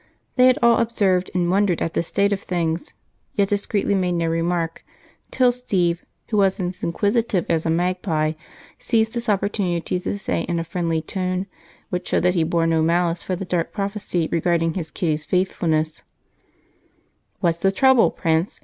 They had all observed and wondered at this state of things, yet discreetly made no remark till Steve, who was as inquisitive as a magpie, seized this opportunity to say in a friendly tone, which showed that he bore no malice for the dark prophecy regarding his Kitty's faithfulness: "What's the trouble, Prince?